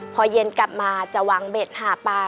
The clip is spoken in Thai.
พอเย็นกลับมาจะวางเบ็ดหาปลา